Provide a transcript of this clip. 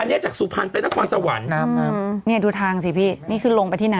อันเนี้ยจากสุพรรณเป็นนักความสวรรค์เนี้ยดูทางสิพี่นี่คือลงไปที่นั่น